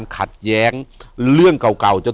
อยู่ที่แม่ศรีวิรัยิลครับ